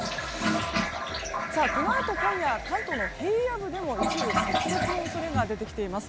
このあと、今夜、関東の平野部でも一部積雪の恐れが出てきています。